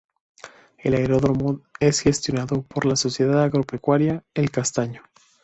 El aeródromo es gestionado por la sociedad Agropecuaria El Castaño.